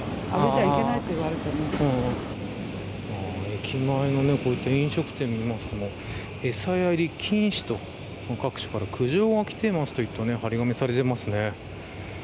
駅前の飲食店を見ますと餌やり禁止と各所から苦情がきていますと張り紙がされていますね。